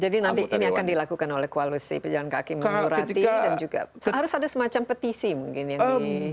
jadi nanti ini akan dilakukan oleh koalisi pejalan kaki menyurati dan juga harus ada semacam petisi mungkin yang di